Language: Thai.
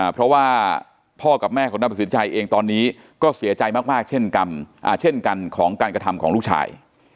เพราะว่าพ่อกับแม่ของดำรัฐศิษฐธิชัยเองตอนนี้ก็เสียใจมากเช่นกันของการกระทำของลูกชาย